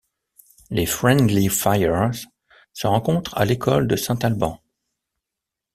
Les Friendly Fires se rencontrent à l'école à St Albans.